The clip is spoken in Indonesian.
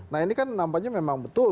nah ini kan nampaknya memang betul